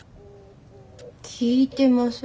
聞いてません。